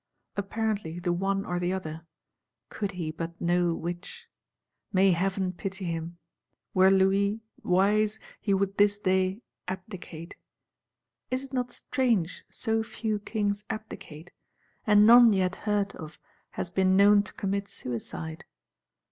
Apparently, the one or the other; could he but know which! May Heaven pity him! Were Louis wise he would this day abdicate.—Is it not strange so few Kings abdicate; and none yet heard of has been known to commit suicide?